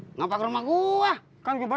kenapa ke rumah gue